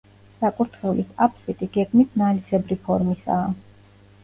საკურთხევლის აფსიდი გეგმით ნალისებრი ფორმისაა.